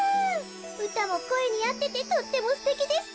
うたもこえにあっててとってもすてきですってよ。